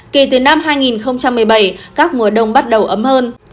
kể từ năm hai nghìn một mươi bảy các mùa đông bắt đầu ấm hơn